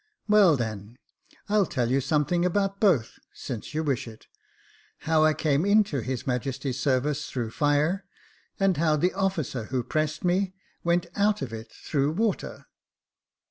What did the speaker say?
" Well, then, I'll tell you something about both, since you wish itj how I came into his Majesty's sarvice through fire, and how the officer who pressed me went out of it through "water.